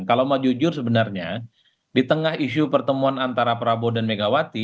kalau mau jujur sebenarnya di tengah isu pertemuan antara prabowo dan megawati